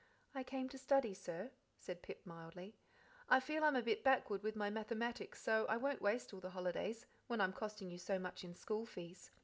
"I came to study, sir," said Pip mildly. "I feel I'm a bit backward with my mathematics, so I won't waste all the holidays, when I'm costing you so much in school fees."